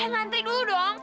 eh ngantri dulu dong